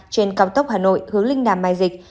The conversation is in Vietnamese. trên cao tốc hà nội hướng linh đàm mai dịch